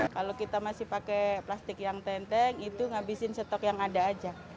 kalau kita masih pakai plastik yang tenteng itu ngabisin stok yang ada aja